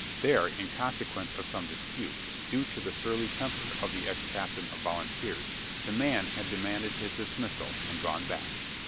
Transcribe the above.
There, in consequence of some dispute, due to the surly temper of the ex captain of volunteers, the man had demanded his dismissal, and gone back.